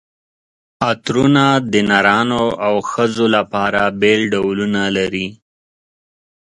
عطرونه د نرانو او ښځو لپاره بېل ډولونه لري.